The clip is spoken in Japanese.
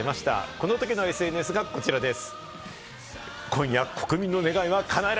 このときのＳＮＳがこちらです。